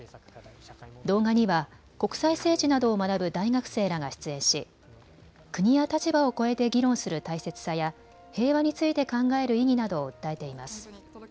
動画には国際政治などを学ぶ大学生らが出演し国や立場を超えて議論する大切さや平和について考える意義などを訴えています。